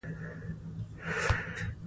غرونه د افغانستان د جغرافیې بېلګه ده.